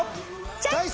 チョイス！